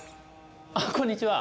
あこんにちは。